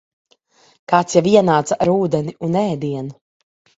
Kāds jau ienāca ar ūdeni un ēdienu.